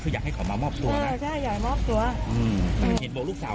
ปี๖๕วันเกิดปี๖๔ไปร่วมงานเช่นเดียวกัน